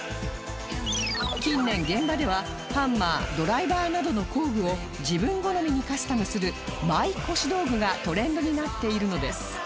近年現場ではハンマードライバーなどの工具を自分好みにカスタムするマイ腰道具がトレンドになっているのです